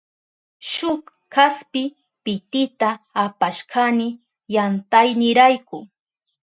Shuk kaspi pitita apashkani yantaynirayku.